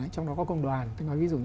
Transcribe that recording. trong đó có công đoàn